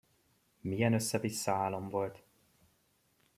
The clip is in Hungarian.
Milyen összevissza álom volt!